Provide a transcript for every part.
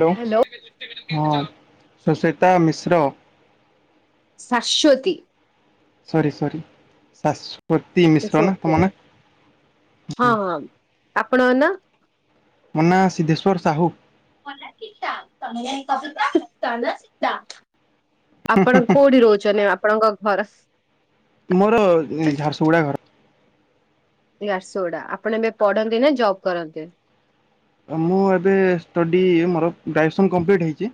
Hello hello ହଁ Susweta Mishra. Saswati. Sorry sorry Saswati it's Mishra ନା okay ତମ ନା। ଆପଣଙ୍କ ନାଁ? ମୋ ନାଁ ସିଦ୍ଧେଶ୍ୱର ସାହୁ। [unintelligible] ଆପଣ କୋଉଠି ରହୁଛନି ଆପଣଙ୍କ ଘର? ମୋର ଝାରସୁଗୁଡା ଘର। ଝାରସୁଗୁଡା ଆପଣ ଏବେ ପଢନ୍ତି ନା ଜବ କରନ୍ତି। ମୁଁ ଏବେ ଷ୍ଟଡି ମୋର ଗ୍ରାଜୁଏସନ କପ୍ଲିଟ୍ ହେଇଚି।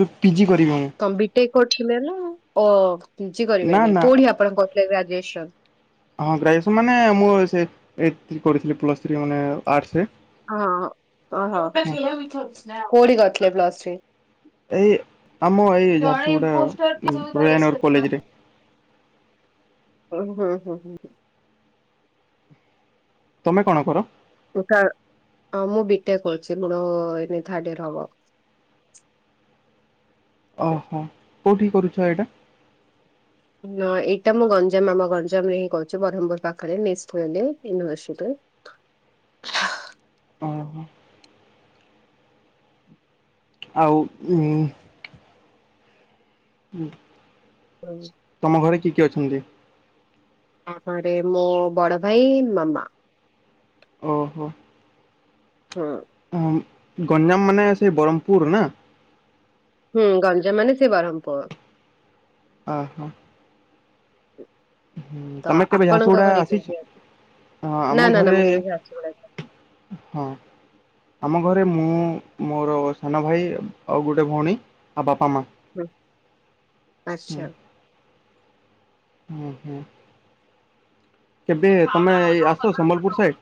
ତୁ ପିଜି କରିବୁ ମୁଁ। କମ ବିଟେକ କରୁଥିଲେ ନା ଓ ପିଜି ନା କରିବେନାଇ ନା କୋଉଠି ଆପଣ କରୁଥିଲେ ଗ୍ରାଜୁଏସନ। ହଁ ଗ୍ରାଜୁଏସନ୍ ମାନେ ମୁଁ ସେ ଏ କରିଥିଲି ପ୍ଲସ୍ ଥ୍ରୀ ମାନେ ଆର୍ଟସ ରେ। ଅହଁହ କୋଉଠି କରିଥିଲେ ପ୍ଲସ ଥ୍ରୀ? ଏଇ ଆମ ଏଇ ଝାରସୁଗୁଡ଼ା ଉଦୟନଗର ଜଣଇପୋଷ୍ଟର [unintelligible] କଲେଜରେ [unintelligible] ତମେ କଣ କର? ହଁ ମୁଁ ବିଟେକ କରୁଚି ମୋର ଏଇବେ ଥାଡ ଇୟର ହବ। ଓହୋ କୋଉଠି କରୁଛ ଏଇଟା? ହ ଏଇଟା ମୁଁ ଗଞ୍ଜାମ ଆମ ଗଞ୍ଜାମରେ ହିଁ କରୁଛି ବ୍ରହ୍ମପୁର ପାଖରେ ନିଷ୍ଟ ୱେବ୍ ରେ ୟୁନିଭରସିଟି ରେ। ଓ ହଁ। ଆଉ ଉଁ ଉଁ। ହୁଁ। ପାଞ୍ଜି। ତମ ଘରେ କିଏ କିଏ ଅଛନ୍ତି? ତାପରେ ମୋ ବଡ ଭାଇ, ମାମା। ଓହୋ। ହଁ। ହଁ ଗଞ୍ଜାମ ମାନେ ସେଇ ବରହମପୁର ନା? ହୁଁ ଗଞ୍ଜାମ ମାନେ ସିଏ ବରହମପୁର। ଅହ। ହଁ ତ ତମେ କେବେ ଆପଣଙ୍କ ଝାଡସୁଗୁଡା ଘରେ କିଏ ଆସିଛ? କିଏ ଅଛି ହଁ ନା ଆମ ନା ନା ଘରେ ମୁଁ କେବେ ଝାରସୁଗୁଡା ହଁ। ଆମ ଘରେ ମୁଁ, ମୋର ସାନ ଭାଇ, ଆଉ ଗୋଟେ ଭୋଉଣୀ, ଆଉ ବାପା ମାଆ। ହ ଆଚ୍ଛା। ଓହୋ। କେବେ ତମେ ଏଇ ଆସ ସମ୍ବଲପୁର ସାଇଡ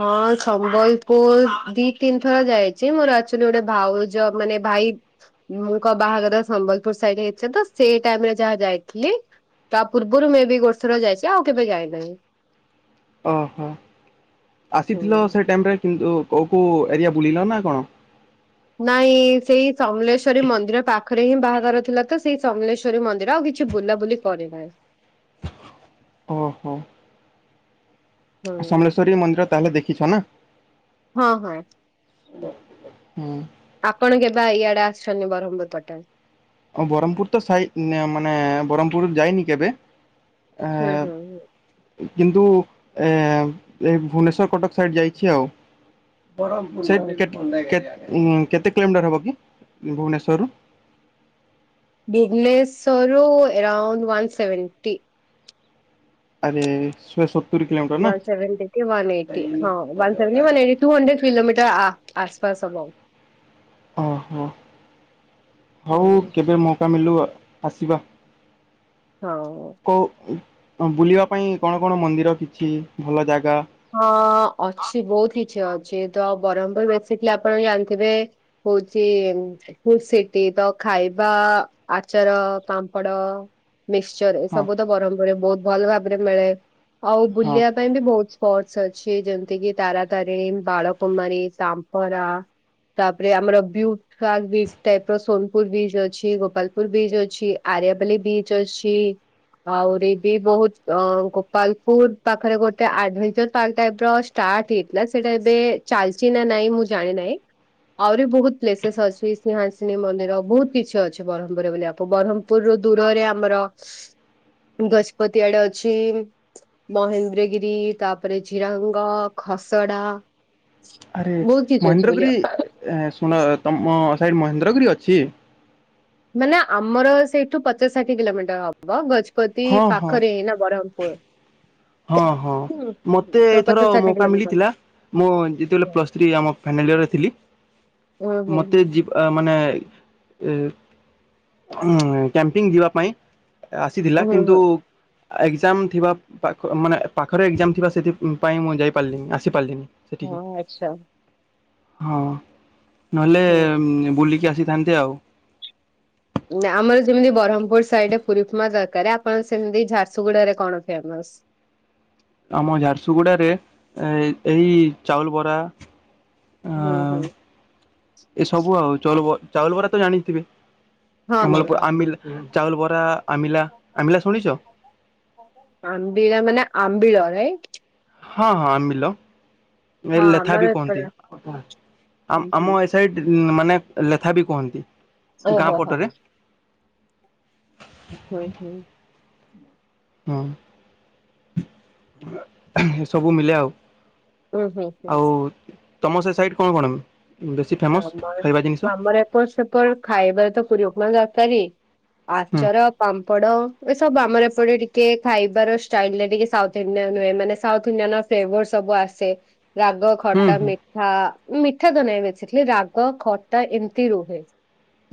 ହଁ ସମ୍ବଲପୁର ଦିଇ ତିନି ଥର ଯାଇ ଚି ମୋର ଆକଚୋଲି ଗୋଟେ ଭାଉଜ ମାନେ ଭାଇ ମୁଁ କ ବାହାଘର ସମ୍ବଲପୁର ସାଇଡ ହେଇଛି ତ ସେଇ ଟାଇମରେ ଯାହା ଯାଇଥିଲି। ତା ପୂର୍ବରୁ ମେବି ଗୋଟେଥର ଯାଇଛି ଆଉ କେବେ ଯାଇନାହିଁ। ଅହ ହୁଁ। ଆସିଥିଲ ସେ ଟାଇମରେ କିନ୍ତୁ କୋଉ କୋଉ ଏରିଆ ବୁଲିଲ ନା କଣ? ନାଇଁ ସେଇ ସମଲେଶ୍ଵରୀ ମନ୍ଦିର ପାଖରେ ହିଁ ବାହାଘର ଥିଲା ତ ସେଇ ସମଲେଶ୍ଵ ଶ୍ୱରୀ ମନ୍ଦିର ଆଉ କିଛି ବୁଲାବୁଲି କରିନାହି ସ୍ ଓହୋ। ହୁଁ। ସମଲେଶ୍ଵରୀ ମନ୍ଦିର ତାହେଲେ ଦେଖିଛ ନା। ହଁ ହଁ। ହୁଁ। ଆପଣ କେବେ ଆ ଇଆଡେ ଆସଛନ୍ତି ବରହମପୁର ପଟେ? ଓ ବରହମପୁର ତ ସାଇ ଉଁନ୍ ମାନ ବରହମପୁର ଯାଇନି କେବେ। ହୁଁ ଏ ହୁଁ ହୁଁ। କିନ୍ତୁ ଏ ଏ ଭୁବନେଶ୍ଵର କଟକ ସାଇଡ ଯାଇଛି ଆଉ। ସେଇ କହୁଛି କେତ୍ କେ ଉଁ କେତେ କିଲୋମିଟର ହବକି ଭୁବନେଶ୍ଵରରୁ? ଭୁବନେଶ୍ବରରୁ ଏରଉଣ୍ଡ ୱାନ୍ ସେଭେଣ୍ଟି। ଆରେ ସୁଏ ସତ୍ ୱାନ୍ ସେଭେଣ୍ଟି କି ୱାନ୍ ଏଇଟି ହଁ ୱାନ୍ ଏ ଏଇଠୁ ମାନେ ଏଇଠିହଣ୍ଡ୍ରେଡ୍ କିଲୋମିଟର ଆ ଆସପାସ ହବ ଆଉ। ଓହୋ ହୁଁ ହୋଉ କେବେ ମୋଉକା ମିଲୁ ଆସିବା। ହୋଉ। କୋଉ ଉ ବୁଲିବା ପାଇଁ କଣ କଣ ମନ୍ଦିର କିଛି ଭଲ ଜାଗା? ହଁ ଅଛି ବୋହୁତ କିଛି ଅଛି ତ ଆଉ ବରହମପୁର ଆସିଥିଲେ ଆପଣ ଜାଣିଥିବେ। ହୋଉଚି ହୁଁ ସେଠି ତ ଖାଇବା ଆଚାର, ପାମ୍ପଡ ମିକସଚର ହଁ ଏସବୁ ତ ବରହମପୁର ବୋହୁତ ଭଲ ଭାବରେ ମିଳେ ଆଉ ହଁ ବୁଲିବା ପାଇଁ ବି ବୋହୁତ ସପଟସ୍ ଅଛି ଯେମତି କିି ତାରାତାରିଣୀ, ବାଳକୁମାରୀ, ସାମ୍ପରା। ତାପରେ ଆମର ବିଉଟ୍ ପାର୍କ ବିଚ୍ ଟାଇପର ସୋନପୁର ବିଚ ଅଛି ଗୋପାଲପୁର ବିଚ୍ ଅଛି। ଆରୟ ପାଲି ବିଚ୍ ଅଛି। ଆହୁରି ବି ବୋହୁତ ଅ ଗୋପାଳପୁର ପାଖରେ ଗୋଟେ ଆଡଭେନ୍ ଚର୍ ପାର୍କ ଟାଇପର ଷ୍ଟାଟ୍ ହେଇଥିଲା ସେଟା ଏବେ ଚାଲଚି ନା ନାଇଁ ମୁଁ ଜାଣିନାଇଁ। ଆହୁରି ବୋହୁତ ପ୍ଲେସେସ୍ ଅଛି ସ୍ନେହାସିନି ମନ୍ଦିର ବୋହୁତ କିଛି ଅଛି ବରହମପୁର ବୋଲି ବରହମ ଦୂରୁ ଦୂରରେ ଆମର ଗଜପତି ଆଡେ ଅଛି ମହେନ୍ଦ୍ରଗିରି ତା ତାପରେ ଝିରାଙ୍ଗ, ଖସଡା ଆରେ ବହୁତ କିଛି ଅଛି ବୋଲି ମହେନ୍ଦ୍ରଗିରି ଏ ଏ ଶୁଣ ତମ ସାଇଡ଼ ମହେନ୍ଦ୍ରଗିରି ଅଛି? ମାନେ ଆମର ସେଇଠୁ ପଚାଶ ଷାଠି କିଲୋମିଟର ହ ବ ଗଜପତି ହଁ ହଁ ପାଖରେ ଏଇନା ବରମ୍ପୂର୍। ହଁ ହଁ ମତେ ତ ଏଇଥର ପଚାଶ ଷାଠିଏ ମୌକା କିଲୋମିଟର ମିଲିଥିଲା ମୁଁ ଯେତେବେଳେ ପ୍ଲ ଥ୍ରୀ ଆମ ଫାଇନାଲିୟରରେ ଥିଲି। କଣ ପାଇଁ? ମତେ ମାନେ ଉ କ୍ୟାମ୍ପିଙ୍ଗ ଯିବା ପାଇଁ। ଆସିଥିଲା ହୁଁ ହୁଁ କିନ୍ତୁ ହୁଁ। ଏକ୍ଜାମ ଥିବା ପାଖ ମାନେ ପାଖରେ ଏକ୍ଜାମ ଥିବା ସେଥିପାଇ ମୁଁ ଯାଇପାରିଲିନି ଆସିପାରିଲିନି ସେଠିକି। ହଁ ଆଚ୍ଛା ହଁ ନହେଲେ ହୁଁ ବୁଲିକି ଆସିଥାନ୍ତେ ଆଉ। ଆମର ଯେମିତି ବ୍ରହ୍ମପୁର ସାଇଡରେ ପୁରୀ, ଫମା ଜାରକାରେ ଆପଣଙ୍କର ସେମିତି ଝାରସୁଗୁଡାରେ କଣ ଫେମସ୍? ଆମ ଝାରସୁଗୁଡ଼ା ରେ ଏ ଏଇ ଚାଉଲ ବରା ହୁଁ ହଁ ହୁଁ ଏସବୁ ଆଉ ଚାଉଲ୍ ବ ଚାଉଲୁ ବରା ତ ଜାଣିଥିବେ? ହଁ ହଁ। ସମ୍ବଲପୁର ଆମିିଲା ଚାଉଲୁ ବରା ଆମିଲା ଆମିଲା ଶୁଣିଛ? ଆମ୍ବିଳା ମାନେ ଆମ୍ବିଳ ରାଇଟ୍। ହଁ ହଁ ମିଲ ହଁ ମେଲେଥା ଆମର ବି କୁହନ୍ତି ଏପଟେ ଆମ ହୁଁ ହୁଁ। ଆମ ସେଇଟି ମାନେ ଲେଥା ବି କୁହନ୍ତି ଗାଁ ଓହୋ ହୋ ପଟରେ ହୁଇ ହୁଁ। ହଁ ଏସବୁ ମିଳେ ଆଉ। ହୁଁ ହୁଁ ହୁଁ। ଆଉ ତମ ସେ ସାଇଟ୍ କଣ କଣ ବେଶୀ ଫେମସ୍ ଖାଇବା ଜିନିଷ? ତୋ ସେପଟେ ଖାଇବାରେ ତ ପୁରୀ ଉପମା ଏଗା ଦରକାରୀ ହୁଁ ଆଚାର ପାମ୍ପଡ ଏ ସବୁ ଆର ଏପଟେ ଟିକେ ଖାଇବାର ଷ୍ଟାଇଲିରେ ଟିକେ ସାଉଥ୍ ଇଣ୍ଡିଆନ ହୁଏ ମାନେ ସାଉଥ୍ ଇଣ୍ଡିଆନ ଫେବର ସବୁ ଆସେ ରାଗ ହୁଁ ଖଟା ହୁଁ ମିଠା ମିଠା ତ ନାହିଁ ବେଶି ହେଲେ ରାଗ ଖଟା ଏମିତି ରୁହେ।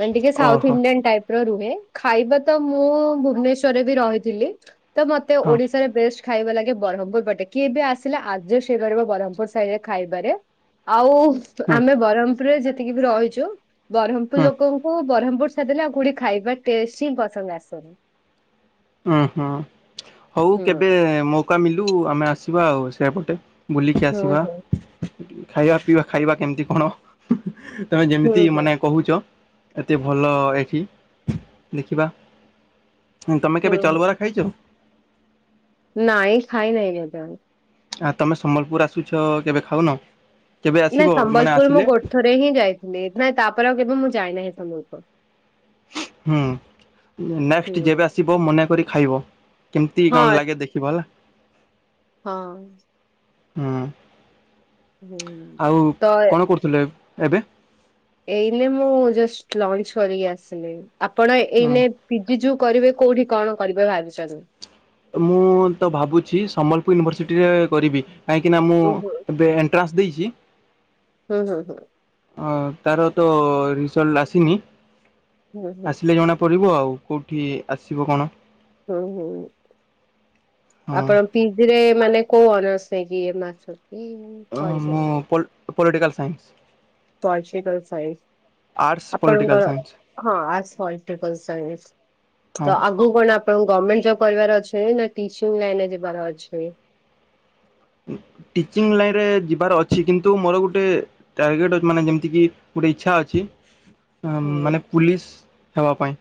ମନେ ଟିକେ ସାଉଥ୍ ଓହୋ ଇଡିଆନ୍ ଟାଇପିର। ରୁହେ ଖାଇବା ତ ମୁଁ ଭୁବନେଶ୍ଵରରେ ବି ରହିଥିଲି ତ ମତେ ହଁ ଓଡିଶାରେ ବେଷ୍ଟ ଖାଇବା ଲାଗେ ବ୍ରହ୍ମପୁର ପଟେ କିଏବେ ଆସିଲା ଅଜେଷ୍ଟ୍ ହେଇପାରିବ ବ୍ର୍ମପୁର ସାଇଟି ରେ ଖାଇବାରେ। ଆଉ ହୁଁ ଆମେ ବ୍ରହ୍ମପୁରରେ ଯେତିକି ବି ରହିଛୁ ବ୍ରହ୍ମପୁର ହୁଁ ଲୋକଙ୍କୁ ବ୍ରହ୍ମପୁର ଛାଡିଦେଲେ ଆଉ କୋଠି ଖାଇବା ଟେଷ୍ଟ ହିଁ ପସନ୍ଦ ଆସୁନି। ଉଁ ହୁଁ ହଉ ହୁଁ କେବେ ମୌକା ମିଲୁ ଆମେ ଆସିବା ଆଉ ସେପଟେ। ବୁଲିକି ହୁଁ ଆସିବା ହୁଁ ଖାଇବା ପିଇବା ଖାଇବା କେମିତି କଣ? ତମେ ହୁଁ ଯେମିତି ହୁଁ ମାନେ କହୁଛ। ଏତେ ଭଲ ଏଠି ଦେଖିବା। ତମେ କେବେ ହୁଁ ହୁଁ ଚାଲବରା ଖାଇଛ? ନାଇଁ ଖାଇ ନହିଁ କେତବେଳେ। ଆ ତମେ ସମ୍ବଲପୁର ଆସୁଛ କେବେ ଖାଉନ କେବେ ଆସିବ ମାନେ ଆସିଲେ? ଏବେ ହିଁ ଯାଇଥିଲି ନାଇଁ ତାପରେ ଆଉ କେବେ ମୁଁ ଯାଇନାହିଁ ସମ୍ୱଲପୁର। ହୁଁ ନେଷ୍ଟ ହୁଁ ଯେବେ ଆସିବ ମନେକରି ଖାଇବ। କେମିତି ହଁ କଣ ଲାଗେ ଦେଖିବ ହେଲା। ହଁ। ହୁଁ ହୁଁ ଆଉ ତ କଣ କରୁଥିଲେ ଏବେ? ଏଇନେ ମୁଁ ଜଷ୍ଟ ଲଞ୍ଚ କରିକି ଆସିଲି ଆପଣ ହଁ ଏଇନେ ପିଜି ଯୋଉ କରିବେ କୋଉଠି କଣ କରିବେ ଭାବିଛନ୍ତି? ମୁଁ ତ ଭାବୁଛି ସମ୍ବଲପୁର ୟୁନିଭର୍ସିଟିରେ କରିବି କାହିଁକିନା ମୁଁ ହୁଁ ହୁଁ। ଏବେ ଟ୍ରାସ୍ ଦେଇଛି। ହୁଁ ହୁଁ ହୁଁ। ତାର ତ ରିଜଲ୍ଟ ଆସିନି ହୁଁ ହୁଁ ଆସିଲେ ଜଣା ପ ପଡିବ ଆଉ କୋଉଠି ଆସିବ କଣ। ହୁଁ ହୁଁ ହଁ। ଆପଣ ପିଜି ରେ ମାନେ କୋଉ ଅନର୍ସ ହେଇଚି ଏ ମା ଛକେ ହଁ ମୁଁ ପଲ ପାଲିଟିକାଲ୍ ସାଇନ୍ସ। ତ ଆଛି ସାଇନ୍ସି। ଆର୍ଟସ୍ ପଲିଟିକାଲ୍ ଆପଣଙ୍କର ସାଇନ୍ସ ହଁ ଆ ଟା ଇଣ୍ଟର ପ୍ରଶିକ୍ଷଣ ସ୍ୱାଇଁ ହଁ ତ ଆଉ ମୁଁ କହିଲି ଆପଣଙ୍କୁ ଗଭର୍ଣ୍ଣମେଣ୍ଟ ଜବ କରିବାର ଅଛି, ନା ଟିଚିଂ ଲାଇନ ରେ ଯିବାର ଅଛି। ଟିଚିଂ ଲାଇନ ରେ ଯିବାର ଅଛି କିନ୍ତୁ ମୋର ଗୁଟେ ଟାର୍ଗେଟ ଅଛି ମାନେ ଯେମିତି କି ଗୁଟେ ଇଚ୍ଛା ଅଛି। ହଁ ହୁଁ ମାନେ ପୁଲିସ୍ ହେବା ପାଇ।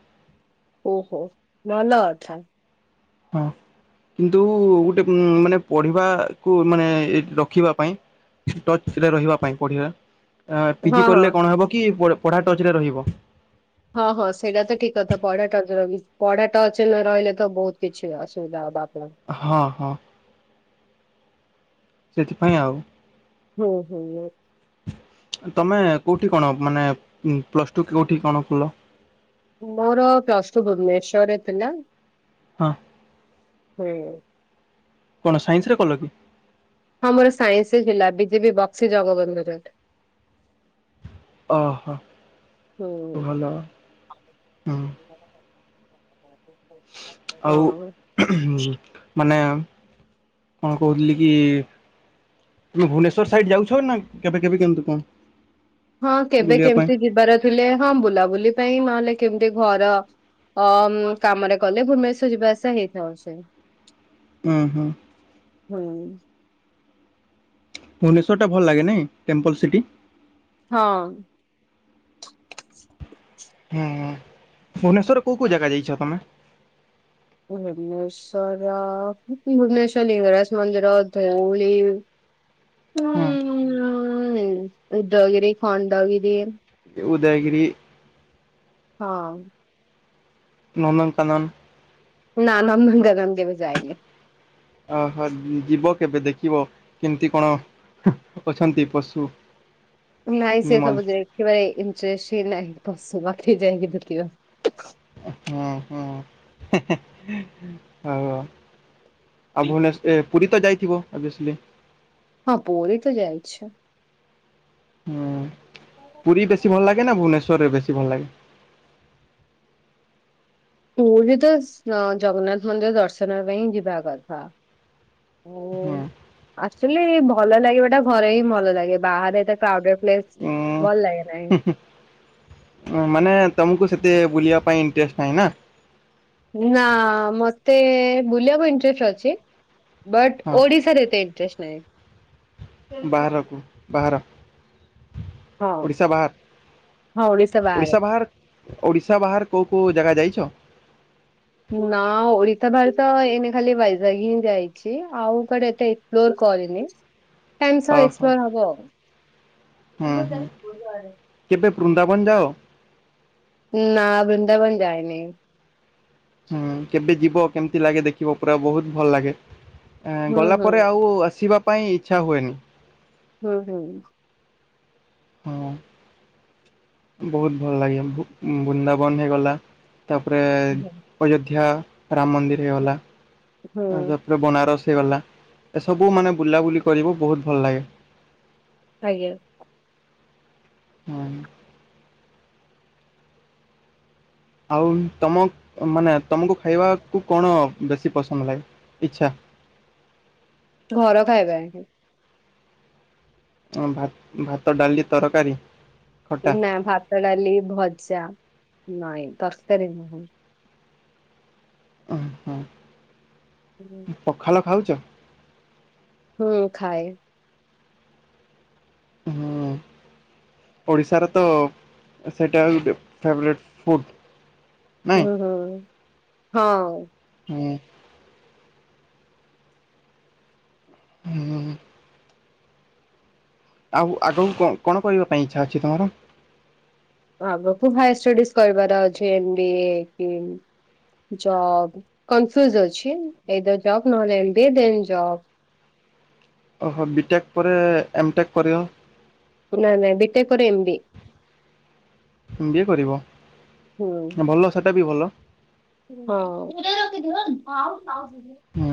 ଓହ ଭଲ କଥା। ହଁ କିନ୍ତୁ ଗୋଟେ ଉ ମାନେ ପଢିବାକୁୁ ମାନେ ରଖିବା ପାଇଁ ଟଚ୍ ରେ ରହିବା ପାଇଁ ପଢିବା। ପିଜି ହଁ ହଁ କିଲେ କଣ ହବ କି ପଢା ଟଚ୍ ରେ ରହିବ। ହଁ ହଁ ସେଇଟା ତ ଠିକ କଥା ପଢା ଟଚ୍ ପଢା ଟଚ୍ ନ ରହିଲେ ତ ବହୁତ କିଛି ଅସୁବିଧା ହବ ଆପ ହଁ ହଁ ସେଥିପାଇଁ ଆଉ ହୁଁ ହୁଁ ତମେ କୋଉଠି କଣ ମାନେ ପ୍ଲସ ଟୁ କୋଉଠି କଣ କଲ? ମୋର ପ୍ଲଷ୍ଟୁ ଭୁବ୍ନେଶ୍ୱର୍ ରେ ଥିଲା। ହଁ ହୁଁ କଣ ସାଇନ୍ସ ରେ କଲ କି? ହଁ ମୋର ସାଇନ୍ସ ଥିଲା ବିଜେପି ବକ୍ସି ଜଗବନ୍ଧୁ ରେ। ଓହୋ! ହୁଁ। ଭଲ ହୁଁ [inaudible] ଆଉ ହଁ ମାନେ କଣ କହୁଥିଲି କି ମୁଁ କହିଲି ଭୁବନେଶ୍ବର ସାଇଡ୍ ଯାଉଛ ନା କେବେକେବେ କେମିତି କଣ? ହଁ କେବେ ବୁଲିବା ପାଇଁ କେମିତି ଯିବାର ଥିଲେ ହଁ ବୁଲାବୁଲି ପାଇଁ ନହେଲେ କେମତି ଘର ଅ କାମରେ କଲେ ଭୁବନେଶ୍ଵର ଯିବା ଆସିବା ହେଇଥାଉଛି ହୁଁ ହୁଁ ହୁଁ ଭୁବ୍ନେଶ୍ୱରଟା ଭଲ ଲାଗେ ନାଇ ଟେମ୍ପୁଲ୍ ସିଟି ହଁ ହୁଁ ଭୁବନେଶ୍ୱରରେ କୋଉ କୋଉ ଜାଗା ଯାଇଛ ତମେ? ଭୁବନେଶ୍ୱର ଭୁବନେଶ୍ୱର ଲିଙ୍ଗରାଜ ମନ୍ଦିର, ଧଉଳି ହଁ ହୁଁ ଉଦ୍ଦଗିରି, ଖଣ୍ଡଗିରି ଉଦୟଗିରି ହଁ ନନ୍ଦନକାନନ ନାଁ ନନ୍ଦନକାନନ କେବେ ଯାଇନି। ଓହୋ ଯିବ କେବେ ଦେଖିବ କେମିତି କଣ? ଅଛନ୍ତି ପଶୁ ନାଇଁ ସେ ସବୁ ଏନିମଲ୍ସ ଦେଖିବା ଇଣ୍ଟରେଷ୍ଟ୍ ହିଁ ନାହିଁ ପଶୁପକ୍ଷୀ ଯାଇକି ଦେଖିବା ହୁଁ ହୁଁ ହଉହଉ ଆଉ ଭୁବ୍ନେଶ୍ୱର୍ ଏ ପୁରୀ ତ ଯାଇଥିବ ଓଭିଓସ୍ଲି ହଁ ପୁରୀ ତ ଯାଇଛୋ। ହୁଁ ପୁରୀ ବେଶୀ ଭଲ ଲାଗେ ନା ଭୁବନେଶ୍ୱରରେ ବେଶୀ ଭଲ ଲାଗେ? ପୁରୀ ତ ଅ ଜଗନ୍ନାଥ ମନ୍ଦିର ଦର୍ଶନ ପାଇଁ ଯିବା କଥା। ହୁଁ [unintelligible] ଅକ୍ଚୁଆଲି ଭଲ ଲାଗିବା ଟା ଘରେ ହିଁ ଭଲ ଲାଗେ ବାହାରେ ଏତେ କ୍ରାଉଡେଡ ପ୍ଲେସ୍ ଭଲ ଉଁ ଲାଗେ ନାହିଁ ମାନେ ତମକୁ ସେତେ ବୁଲିବା ପାଇଁ ଇଣ୍ଟରେଷ୍ଟ୍ ନାହିଁ ନା ନା ମତେ ବୁଲିବାକୁ ଇଣ୍ଟରେଷ୍ଟ ଅଛି। ବଟ ହଁ ଓଡିଶା ରେ ଏତେ ଇଣ୍ଟ୍ରେଷ୍ଟ ନାହିଁ। ବାହାରକୁ ବାହାର ହଁ ଓଡ଼ିଶା ହଁ ଓଡିଶା ବାହାର ବାହାରେ। ଓଡ଼ିଶା ବାହାର ଓଡିଶା ବାହାର୍ କୋଉ କୋଉ ଜାଗା ଯାଇଛ? ନା ଓଡ଼ିଶା ବାହାର୍ ତ ଏଇନେ ଖାଲି ୱାଇଜାଗ୍ ହିଁ ଯାଇଚି ଆଉ କଆଡେ ଏତେ ପ୍ଲୋର କରିନି ଟାଇମ ସହ ଓହୋ ଏକ୍ସପ୍ଲୋର ହବ। ହୁଁ ହୁଁ କେବେ ବୃନ୍ଦାବନ ଯାଅ ନା ବୃନ୍ଦାବନ ଯାଇନି। ହୁଁ କେବେ ଯିବ କେମିତି ଲାଗେ ଦେଖିବ ପୁରା ବୋହୁତ୍ ଭଲ ଲାଗେ। ଏଁ ହୁଁ ହୁଁ ଗଲାପରେ ଆଉ ଆସିବା ପାଇଁ ଇଚ୍ଛା ହୁଏନି। ହୁଁ ହୁଁ। ହଁ ବୋହୁତ ଭଲ ଲାଗେ ବୁ-ବୁନ୍ଦାବନ ହେଇଗଲା। ତାପରେ ଅଯୋଧ୍ୟା ରାମ ମନ୍ଦିର ହେଇଗଲା ହୁଁ ଆ ବନାରସ ହେଇଗଲା ଏସବୁ ମାନେ ବୁଲାବୁଲି କରିବୁ ବୋହୁତ ଭଲ ଲାଗେ। ଆଜ୍ଞା। ହୁଁ। ଆଉ ତମ ମାନେ ତମୁକୁ ଖାଇବାକୁ କଣ ବେଶୀ ପସନ୍ଦ ଲାଗେ ଇଚ୍ଛା? ଘର ଖାଇବା ହିଁ। ଭା-ଭାତ, ଡାଲି, ତରକାରୀ। ଖଟା। ନା ଭାତ, ଡାଲି, ଭଜା ନାଇଁ ତରକାରୀ ନୁହେଁ। ହଁ ହଁ। ହୁଁ। ପଖାଳ ଖାଉଚ? ହୁଁ ଖାଏ। ହୁଁ। ଓଡ଼ିଶାର ତ ସେଟା ଗୁଟେ ଫେବ୍ରାଇଟ୍ ଫୁଟ୍। ହୁଁ ହୁଁ ହଁ। ହୁଁ। ହୁଁ। ଆଉ ଆଗୁକୁ କଣ କଣ କରିବା ପାଇଁ ଇଚ୍ଛା ଅଛି ତମର? ଆଗକୁ ହାୟର ଷ୍ଟଡିଜ୍ କରିବାର ଅଛି ଏମ୍ ବିଏ କି ଜବ୍ କନଫ୍ୟୁଜ ଅଛି ଏଇ ତ ଜବ୍ ନହେଲେ M B A then job. ଓ ହୋ ବି ଟେକ୍ ପରେ ଏମ୍ ଟେକ୍ କରିବ। ନାଇଁ ନାଇଁ ବିିଟେକ୍ ପରେ M B A. M BA କରିବ ହୁଁ ଭଲ ସେଟା ବି ଭଲ। ହଁ। ହୁଁ।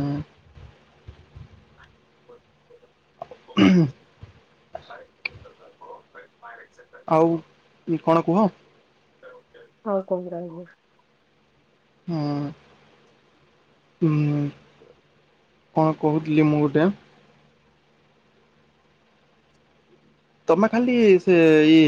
[inaudible] ଆଉ କଣ କୁହ? କଣ କହିବି ତା ହେଲେ? ହୁଁ ହୁଁ। କଣ କହୁଥିଲି ମୁଁ ଗୋଟେ ଆଁ ତମେ ଖାଲି ସେ ଇ